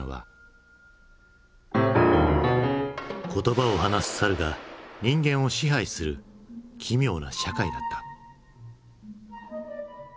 言葉を話す猿が人間を支配する奇妙な社会だった。